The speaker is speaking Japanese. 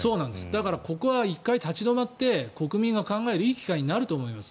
だからここは一度立ち止まって国民が考えるいい機会になると思います。